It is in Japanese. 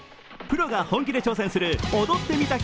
プロが本気で挑戦する「踊ってみた」